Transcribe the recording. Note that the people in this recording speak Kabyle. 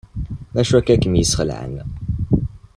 D acu akka ay kem-yesxelɛen?